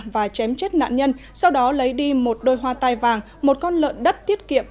và chém chết nạn nhân sau đó lấy đi một đôi hoa tai vàng một con lợn đất tiết kiệm